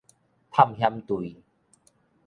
探險隊